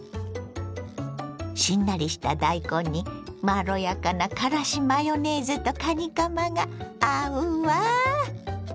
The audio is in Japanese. しんなりした大根にまろやかなからしマヨネーズとかにかまが合うわ。